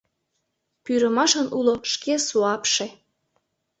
Пӱрымашын уло шке суапше.